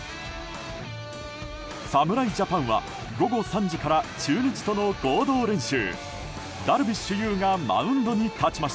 侍ジャパンは午後３時から中日との合同練習。